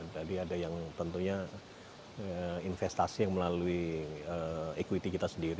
tadi ada yang tentunya investasi yang melalui equity kita sendiri